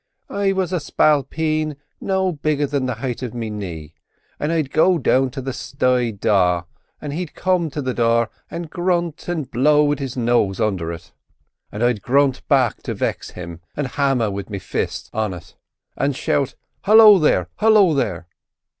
"I was a spalpeen no bigger than the height of me knee, and I'd go to the sty door, and he'd come to the door, and grunt an' blow wid his nose undher it; an' I'd grunt back to vex him, an' hammer wid me fist on it, an' shout 'Halloo there! halloo there!